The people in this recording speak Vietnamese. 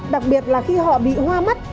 đặc biệt là khi họ bị hoa mắt